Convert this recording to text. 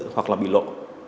hoặc là bị lộ